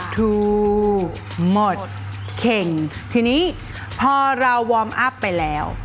ถูกหมดเข่งทีนี้พอเราวอร์มอัพไปแล้ว